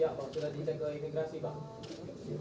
apa sudah di cek ke imigrasi pak